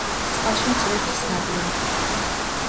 წყალში მცირედ ხსნადია.